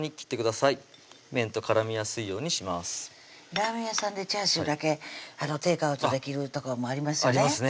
ラーメン屋さんでチャーシューだけテークアウトできる所もありますよねありますね